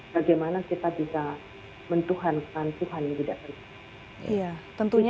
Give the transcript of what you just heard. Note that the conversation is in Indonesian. bagaimana kita bisa mentuhankan tuhan yang tidak penting